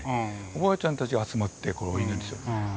おばあちゃんたちが集まってこうお祈りする。